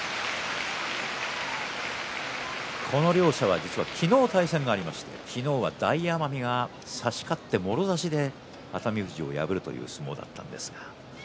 この両者は実は昨日対戦がありまして昨日は大奄美が差し勝って熱海富士を破るという相撲がありました。